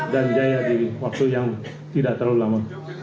dan jaya di waktu yang tidak terlalu lama